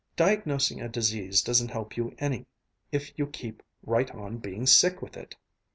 Diagnosing a disease doesn't help you any, if you keep right on being sick with it."